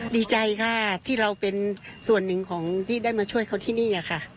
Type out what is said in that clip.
ดีใจค่ะที่เราเป็นส่วนหนึ่งของที่ได้มาช่วยเขาที่นี่ค่ะ